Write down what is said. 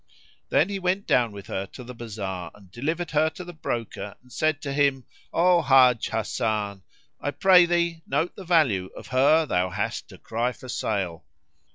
Then he went down with her to the bazar and delivered her to the broker and said to him, "O Hájj Hasan,[FN#29] I pray thee note the value of her thou hast to cry for sale."